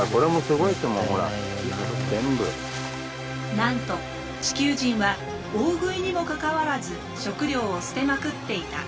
なんと地球人は大食いにもかかわらず食料を捨てまくっていた。